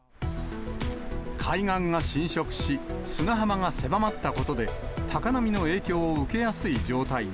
海岸が浸食し、砂浜が狭まったことで、高波の影響を受けやすい状態に。